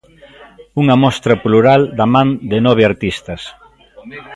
Unha mostra plural da man de nove artistas.